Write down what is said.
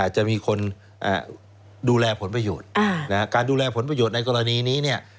จะมีคนดูแลผลประโยชน์การดูแลผลประโยชน์ในกรณีนี้เนี่ย